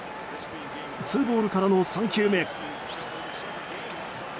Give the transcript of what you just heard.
ツーボールからの３球目。